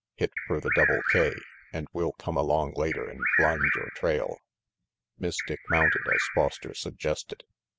Hit fer the Double K, and we'll come along later and blind yore trail." Miss Dick mounted as Foster suggested.